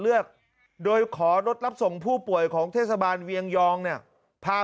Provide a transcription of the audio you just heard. เลือกโดยขอรถรับส่งผู้ป่วยของเทศบาลเวียงยองเนี่ยพา